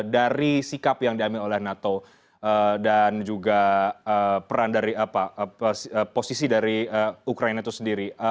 dari sikap yang diambil oleh nato dan juga peran dari posisi dari ukraina itu sendiri